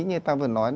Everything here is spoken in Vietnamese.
như ta vừa nói